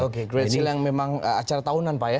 oke great sale yang memang acara tahunan pak ya